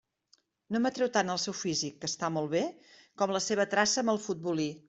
No m'atreu tant el seu físic, que està molt bé, com la seva traça amb el futbolí.